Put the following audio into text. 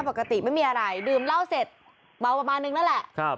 ปกติไม่มีอะไรดื่มเหล้าเสร็จเมาประมาณนึงนั่นแหละ